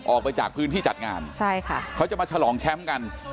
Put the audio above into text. ออกไปจากพื้นที่จัดงานใช่ค่ะเขาจะมาฉลองแชมป์กัน